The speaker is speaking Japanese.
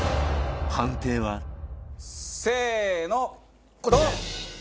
判定はせーのドン！